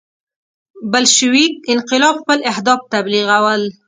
بلشویک انقلاب خپل اهداف تبلیغول.